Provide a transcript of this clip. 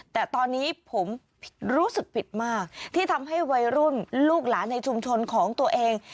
แต่ตอนนี้ผมรู้สึกผิดมากที่ทำให้วัยรุ่นลูกหลานในชุมชนของตัวเอง